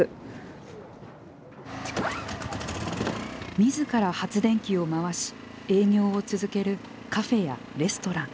みずから発電機を回し営業を続けるカフェやレストラン。